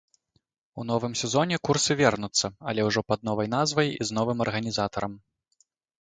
У новым сезоне курсы вернуцца, але ўжо пад новай назвай і з новым арганізатарам.